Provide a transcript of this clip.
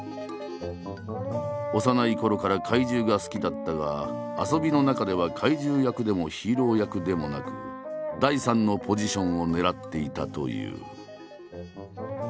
幼いころから怪獣が好きだったが遊びの中では怪獣役でもヒーロー役でもなく第三のポジションを狙っていたという。